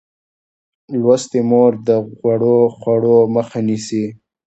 لوستې مور د غوړو خوړو مخه نیسي.